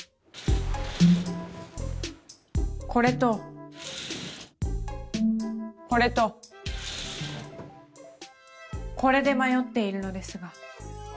これとこれとこれで迷っているのですが。